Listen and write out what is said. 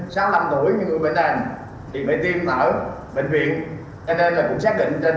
cho nên là cũng xác định trên địa bàn phương hoặc là rõ hơn chút là là quận ra